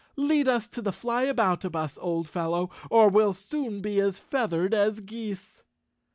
"Lead us to the Flyaboutabus, old fellow, or we'll soon be as feathered as geese."